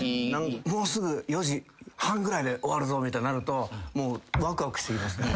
もうすぐ４時半ぐらいで終わるぞみたいになるとわくわくしてきますね。